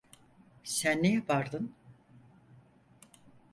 Sen ne yapardın?